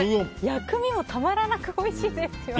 薬味もたまらなくおいしいですよね。